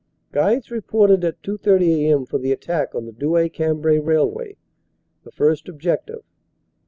Guides reported at 2.30 a.m. for the attack on the Douai Cambrai railway, the first objec tive.